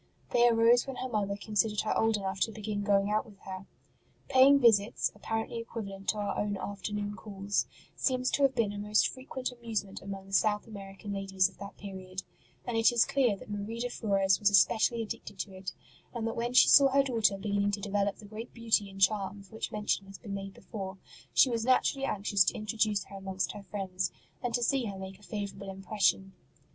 They arose when her mother considered her old enough to begin going out with her. Paying visits apparently equivalent to our own afternoon calls seems to have been a most frequent amusement among the South American 64 ST. ROSE OF LIMA ladies of that period ; and it is clear that Marie de Flores was especially addicted to it, and that when she saw her daughter beginning to develop the great beauty and charm of which mention has been made before, she was naturally anxious to introduce her amongst her friends, and to sec her make a favourable impression.